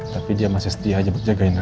tapi dia masih setia aja buat jagain reina